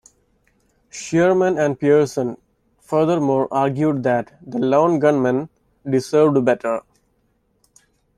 Shearman and Pearson, furthermore, argued that The Lone Gunmen deserved better.